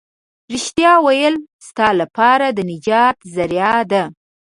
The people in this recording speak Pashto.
رښتيا ويل ستا لپاره د نجات ذريعه ده.